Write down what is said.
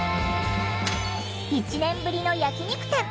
１年ぶりの焼き肉店。